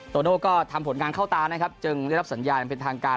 โตโน่ก็ทำผลงานเข้าตานะครับจึงได้รับสัญญาณเป็นทางการ